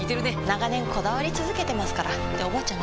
長年こだわり続けてますからっておばあちゃん